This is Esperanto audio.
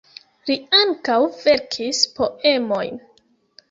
Li ankaŭ verkis poemojn.